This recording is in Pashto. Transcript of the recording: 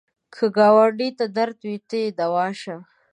که ګاونډي ته درد وي، ته یې دوا شه